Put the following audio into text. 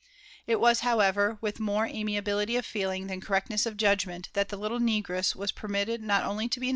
It was, however, with more amiability of feeling than correctness of judgment that the little negress was permitted not only JOKMHHM janrnusM' whrslaw.